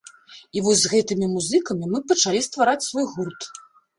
І вось з гэтымі музыкамі мы пачалі ствараць свой гурт.